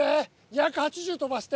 ２８０飛ばして。